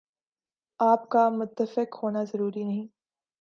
آپ کا متفق ہونا ضروری نہیں ۔